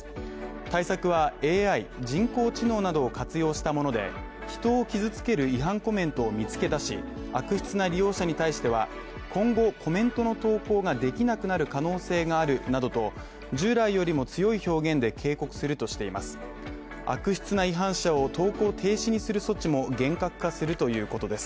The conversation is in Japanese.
対策は、ＡＩ、人工知能などを活用したもので、人を傷つける違反コメントを見つけ出し、悪質な利用者に対しては今後、コメントの投稿ができなくなる可能性があるなどと従来よりも強い表現で警告するとしています。